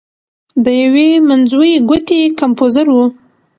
د یوې منځوۍ ګوتې کمپوزر و.